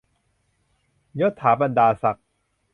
ยศฐาบรรดาศักดิ์